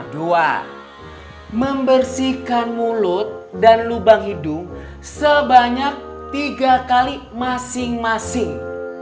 dua membersihkan mulut dan lubang hidung sebanyak tiga kali masing masing